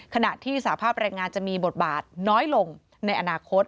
ขณะที่สาภาพแรงงานจะมีบทบาทน้อยลงในอนาคต